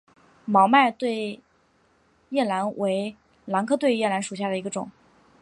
毛脉对叶兰为兰科对叶兰属下的一个种。